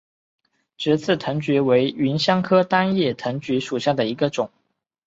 直刺藤橘为芸香科单叶藤橘属下的一个种。